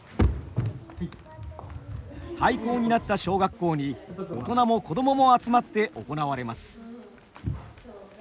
廃校になった小学校に大人も子どもも集まって行われます。